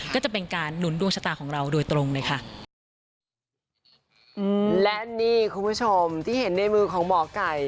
ก็จะเป็นการหนุนดวงชะตาของเราโดยตรงเลยค่ะอืมและนี่คุณผู้ชมที่เห็นในมือของหมอไก่